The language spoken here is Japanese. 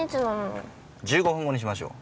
１５分後にしましょう。